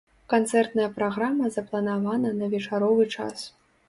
Канцэртная праграма запланавана на вечаровы час.